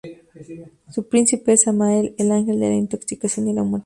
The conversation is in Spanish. Su príncipe es Samael, el ángel de la intoxicación y la muerte.